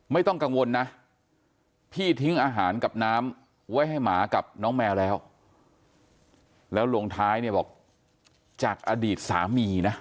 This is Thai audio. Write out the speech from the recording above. ไม่ต้องกังวลนะพี่ทิ้งอาหารกับน้ำไว้ให้หมากับน้องแมวแล้วแล้วลงท้ายเนี่ยบอกจากอดีตสามีนะ